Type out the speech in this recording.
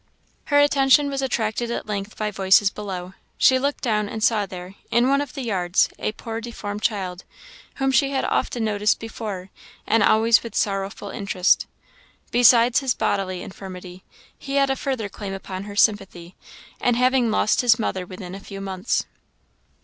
Her attention was attracted at length by voices below; she looked down, and saw there, in one of the yards, a poor deformed child, whom she had often noticed before, and always with sorrowful interest. Besides his bodily infirmity, he had a further claim on her sympathy, in having lost his mother within a few months.